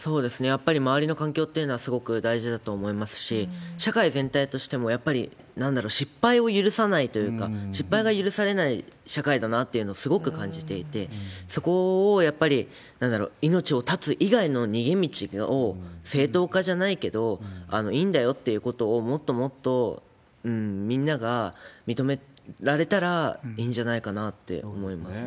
やっぱり周りの環境っていうのはすごく大事だと思いますし、社会全体としても、やっぱり、なんだろう、失敗を許さないというか、失敗が許されない社会だなっていうのをすごく感じていて、そこをやっぱり、なんだろう、命を絶つ以外の逃げ道を、正当化じゃないけど、いいんだよっていうことを、もっともっとみんなが認められたらいいんじゃないかなって思います。